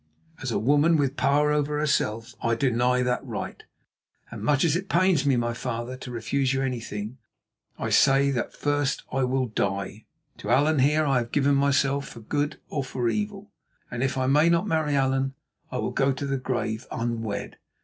As a woman with power over herself, I deny that right; and much as it pains me, my father, to refuse you anything, I say that first I will die. To Allan here I have given myself for good or for evil, and if I may not marry Allan, I will go to the grave unwed.